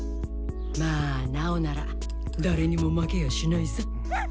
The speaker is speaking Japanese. まあ直なら誰にも負けやしないさ！